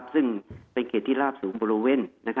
ซึ่งเป็นเขตที่ราบสูงบริเวณ